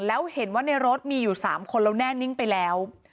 แล้วเห็นว่าในรถมีอยู่๓คนแล้วแน่นิ่งไปแล้ว